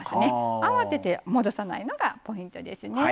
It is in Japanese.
慌てて戻さないのがポイントですね。